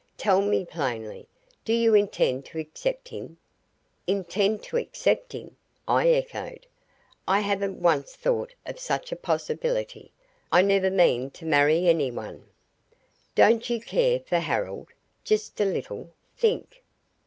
Tell me plainly, do you intend to accept him?" "Intend to accept him!" I echoed. "I haven't once thought of such a possibility. I never mean to marry anyone." "Don't you care for Harold? Just a little? Think."